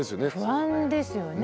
不安ですよね